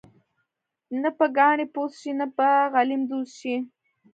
نه به کاڼې پوست شي، نه به غلیم دوست شي.